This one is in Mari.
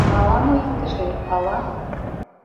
Мала мо иктаже, ала?